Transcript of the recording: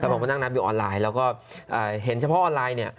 ผมนั่งนับอยู่ออนไลน์แล้วก็เห็นเฉพาะออนไลน์